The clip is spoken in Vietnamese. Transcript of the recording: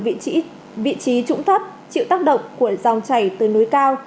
có những cánh đồng nằm ở vị trí trũng thấp chịu tác động của dòng chảy từ núi cao